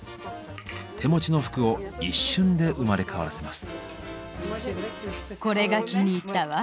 手持ちの服を一瞬で生まれ変わらせます。